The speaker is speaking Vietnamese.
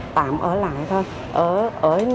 làm ở lại thôi